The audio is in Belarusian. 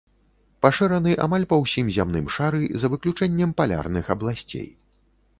Пашыраны амаль па ўсім зямным шары за выключэннем палярных абласцей.